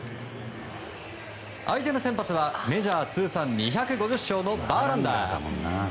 相手の先発はメジャー通算２５０勝のバーランダー。